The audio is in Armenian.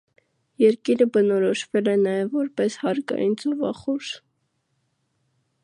Երկիրը բնորոշվել է նաև որպես «հարկային ծովախորշ»։